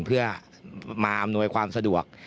เพื่อมาอำนวยความสะดวก